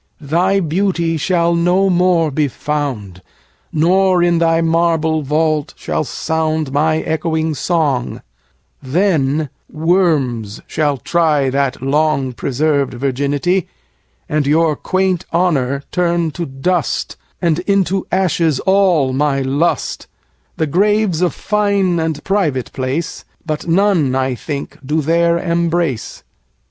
Thy beauty shall no more be found, 25 Nor, in thy marble vault, shall sound My echoing song: then worms shall try That long preserved virginity, And your quaint honour turn to dust, And into ashes all my lust: 30 The grave 's a fine and private place, But none, I think, do there embrace.